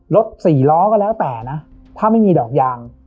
สี่ล้อก็แล้วแต่นะถ้าไม่มีดอกยาง